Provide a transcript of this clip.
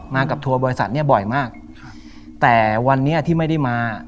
มากับทัวร์บริษัทเนี้ยบ่อยมากครับแต่วันนี้ที่ไม่ได้มา